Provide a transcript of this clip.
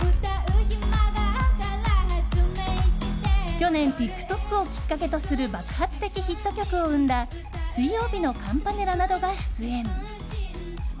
去年、ＴｉｋＴｏｋをきっかけとする爆発的ヒット曲を生んだ水曜日のカンパネラなどが出演。